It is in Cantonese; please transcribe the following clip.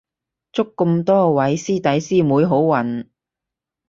祝咁多位師弟師妹好運